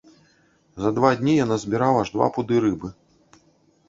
За два дні я назбіраў аж два пуды рыбы.